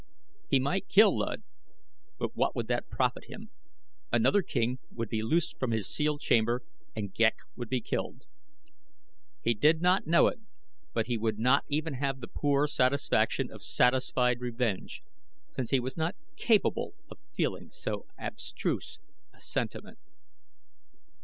He might kill Luud; but what would that profit him? Another king would be loosed from his sealed chamber and Ghek would be killed. He did not know it but he would not even have the poor satisfaction of satisfied revenge, since he was not capable of feeling so abstruse a sentiment.